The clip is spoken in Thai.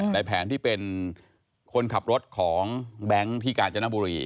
ในแผนที่เป็นคนขับรถของแบงค์ที่กาญจนบุรี